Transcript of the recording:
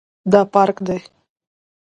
دا پارک دی